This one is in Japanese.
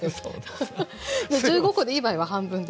１５コでいい場合は半分で。